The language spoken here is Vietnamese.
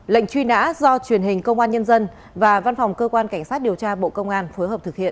lệnh truy nã do truyền hình công an nhân dân và văn phòng cơ quan cảnh sát điều tra bộ công an phối hợp thực hiện